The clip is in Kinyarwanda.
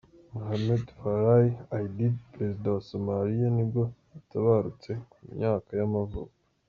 Mohamed Farray Aidid, perezida wa wa Somalia nibwo yatabarutse, ku myaka y’amavuko.